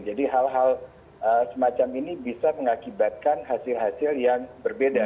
jadi hal hal semacam ini bisa mengakibatkan hasil hasil yang berbeda